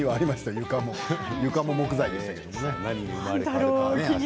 床も木材でしたけれどもね。